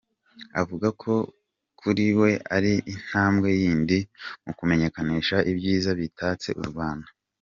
Avuga ko kuri we ari intambwe yindi mu kumenyekanisha ibyiza bitatse u Rwanda.